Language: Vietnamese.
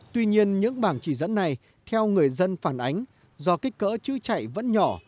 tuy nhiên những bảng chỉ dẫn này theo người dân phản ánh do kích cỡ chứ chảy vẫn nhỏ